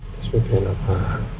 terus mikirin apa